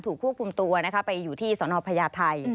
ถูกควบคุมตัวไปอยู่ที่สพญาติไทย